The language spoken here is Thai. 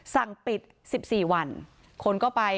สั่งปิด๑๔วันคนก็ไป